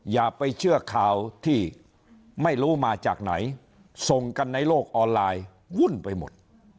อย่าไปเชื่อข่าวที่ไม่รู้มาจากไหนส่งกันในโลกออนไลน์วุ่นไปหมด